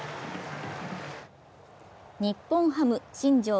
日本ハム新庄